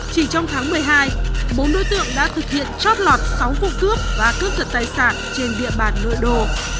chỉ trong tháng một mươi hai bốn đối tượng đã thực hiện chót lọt sáu vụ cướp và cướp giật tài sản trên địa bàn nội đô